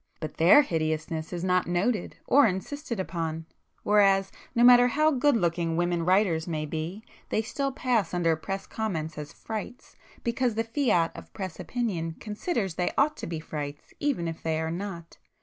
But their hideousness is not noted or insisted upon,—whereas, no matter how good looking women writers may be, they still pass under press comment as frights, [p 241] because the fiat of press opinion considers they ought to be frights, even if they are not.